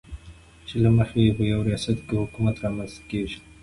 چې له مخې یې په یوه ریاست کې حکومت رامنځته کېږي.